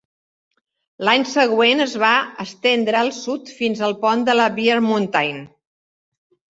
L'any següent es va estendre al sud fins al pont de la Bear Mountain.